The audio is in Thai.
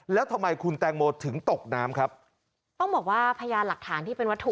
แล้วทำไมคุณแตงโมถึงตกน้ำครับต้องบอกว่าพยานหลักฐานที่เป็นวัตถุ